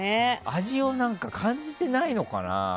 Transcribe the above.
味を感じてないのかな？